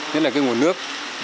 nhất là cái nguồn nước